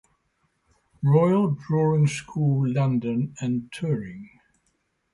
Royal Drawing School London and touring.